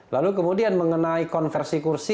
lalu kemudian mengenai konversi kursi